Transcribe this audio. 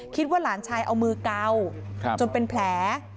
คิดว่าหลานชายเอามือเกาจนเป็นแผล